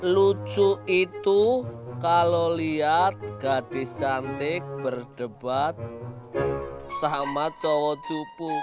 lucu itu kalau lihat gadis cantik berdebat sama cowok cupu